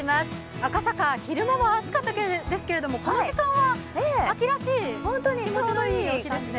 赤坂、昼間は暑かったですけども、この時間は秋らしい気持ちのいい気候ですね。